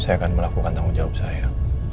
saya akan melakukan tanggung jawab saya